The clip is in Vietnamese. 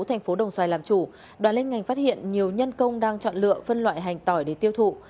thành phố đồng xoài làm chủ đoàn liên ngành phát hiện nhiều nhân công đang chọn lựa phân loại hành tỏi để tiêu thụ